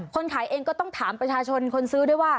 คนขายเองก็ต้องถามประชาชนคนซื้อด้วยว่า